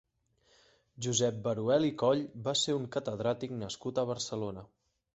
Josep Baruel i Coll va ser un catedràtic nascut a Barcelona.